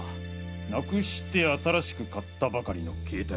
失くして新しく買ったばかりの携帯？